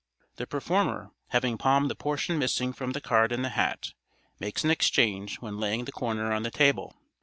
The performer, having palmed the portion missing from the card in the hat, makes an exchange when laying the corner on the table.